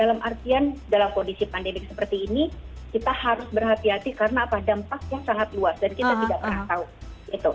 dalam artian dalam kondisi pandemi seperti ini kita harus berhati hati karena apa dampaknya sangat luas dan kita tidak pernah tahu